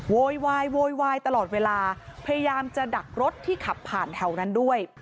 โวยวายโวยวายตลอดเวลาพยายามจะดักรถที่ขับผ่านแถวนั้นด้วย